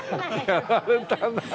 やられたな。